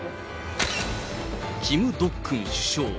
キム・ドックン首相。